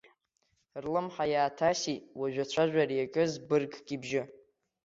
Рлымҳа иааҭасит уажә ацәажәара иаҿыз быргк ибжьы.